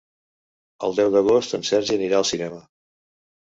El deu d'agost en Sergi anirà al cinema.